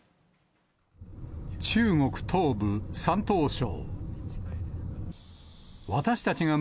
中国東部、山東省。